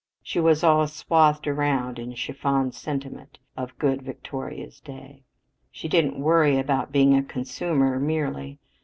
She was all swathed around in the chiffon sentiment of good Victoria's day. She didn't worry about being a "consumer" merely.